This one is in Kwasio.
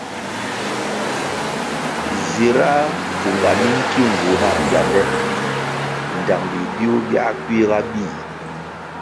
Zira pfunga minkiungu na piande ndtang bidiuh biah kuiga bíh.